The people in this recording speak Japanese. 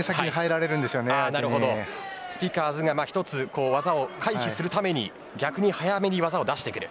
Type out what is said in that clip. スピカーズが１つ技を回避するために逆に早めに技を出してくる。